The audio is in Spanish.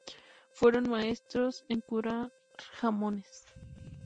Fueron maestros en curar jamones.